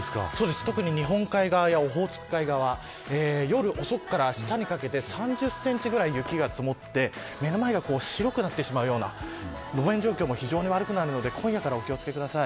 特に日本海側やオホーツク海側夜遅くから、あしたにかけて３０センチくらい雪が積もって目の前が白くなってしまうような路面状況も非常に悪くなるで今夜からお気を付けください。